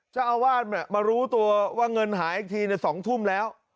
เจ้าอาวาสมารู้ตัวว่าเงินหายอีกที๒ทุ่มแล้ว